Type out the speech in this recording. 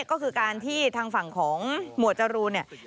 ก็คือการที่ทางฝั่งของหมวดจรูนเนี่ย